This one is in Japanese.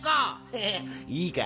ヘヘッいいか？